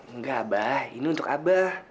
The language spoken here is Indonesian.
enggak abah ini untuk abah